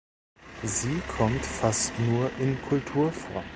Sie kommt fast nur in Kultur vor.